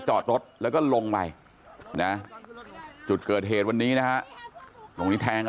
จอดรถแล้วก็ลงไปนะจุดเกิดเหตุวันนี้นะฮะตรงนี้แทงอ่ะ